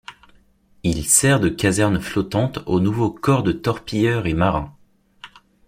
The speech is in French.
Il sert de caserne flottante au nouveau Corps de Torpilleurs et Marins.